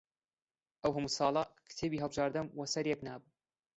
ئەو هەموو ساڵە کتێبی هەڵبژاردەم وە سەر یەک نابوو